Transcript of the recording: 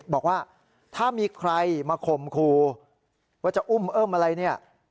บอกว่าถ้ามีใครมาข่มครูว่าจะอุ้มเอิ้มอะไรเนี่ย